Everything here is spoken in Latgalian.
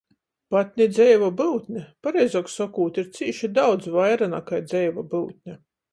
Pat ni dzeiva byutne, pareizuok sokūt, ir cīši daudz vaira nakai dzeiva byutne!